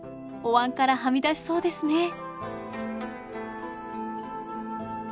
おわんからはみ出しそうですね。